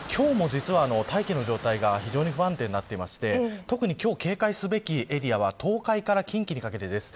今日も実は大気の状態が非常に不安定になっていまして特に今日警戒すべきエリアは東海から近畿にかけてです。